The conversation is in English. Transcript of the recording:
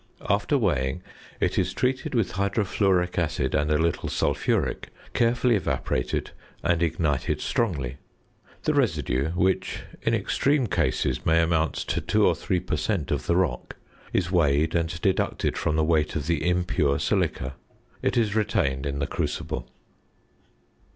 After weighing it is treated with hydrofluoric acid and a little sulphuric, carefully evaporated and ignited strongly. The residue, which in extreme cases may amount to 2 or 3 per cent. of the rock, is weighed and deducted from the weight of the impure silica. It is retained in the crucible.